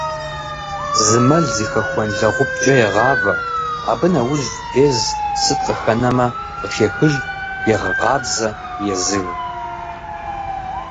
Зы мэл зыхэхуэн лэгъупкӏэ егъавэ, абы нэужь без, сыт къыхэнэмэ, къыхехыж, егъэкъабзэ, езыж.